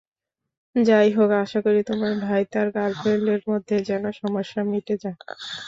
যাইহোক, আশা করি তোমার ভাই তার গ্রার্লফ্রেন্ডের মধ্যে যেন সমস্যা মিটে যায়।